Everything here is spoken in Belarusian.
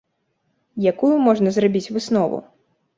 Якую можна зрабіць выснову?